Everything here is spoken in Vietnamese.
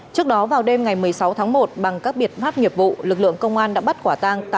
trước đó vào đêm ngày một mươi sáu tháng một bằng các biện pháp nghiệp vụ lực lượng công an đã bắt quả tang